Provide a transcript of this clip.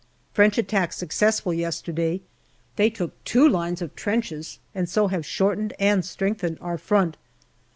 French attack successful yesterday. They took two lines of trenches, and so have shortened and strengthened our front.